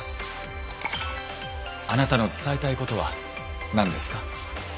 あなたの伝えたいことは何ですか？